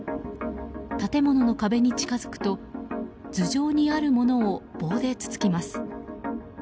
建物の壁に近づくと頭上にあるものを棒でつつきます。